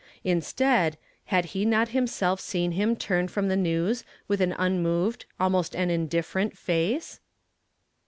Instead, had he not himself seen him turn from the news with an unmoved, almost an indifferent, face